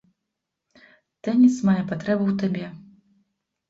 Тэніс мае патрэбу ў табе.